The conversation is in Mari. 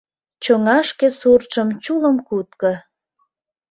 Чоҥа шке суртшым чулым кутко.